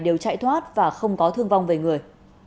đều chạy thoát và không có thương vong về người